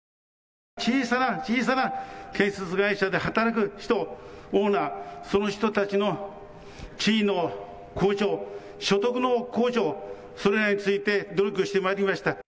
小さな小さな建設会社で働く人を、オーナー、その人たちの地位の向上、所得の向上、それらについて努力してまいりました。